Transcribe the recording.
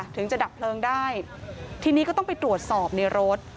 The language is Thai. ถึงจะดับเพลิงได้ทีนี้ก็ต้องไปตรวจสอบในรถ